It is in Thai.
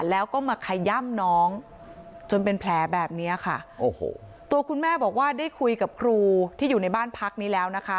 แล้วก็มาขย่ำน้องจนเป็นแผลแบบเนี้ยค่ะโอ้โหตัวคุณแม่บอกว่าได้คุยกับครูที่อยู่ในบ้านพักนี้แล้วนะคะ